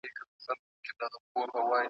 د چمن هغه کونج چي په ځنګله ننوتلی .